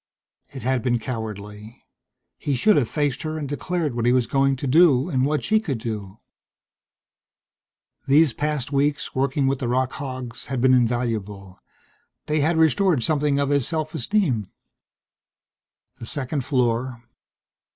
It had been cowardly he should have faced her and declared what he was going to do and what she could do. These past weeks, working with the rock hogs, had been invaluable. They had restored something of his self esteem. The second floor.